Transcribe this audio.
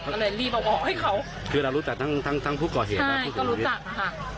ก็เลยรีบมาบอกให้เขาคือเรารู้จักทั้งทั้งผู้ก่อเหตุนะก็รู้จักนะคะ